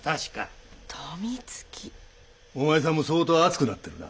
お前さんも相当熱くなってるな。